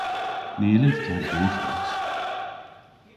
Ny yllydh ta gortos!